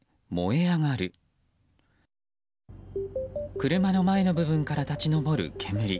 車の前の部分から立ち上る煙。